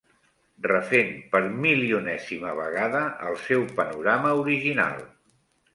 Refent per milionèsima vegada el seu panorama original.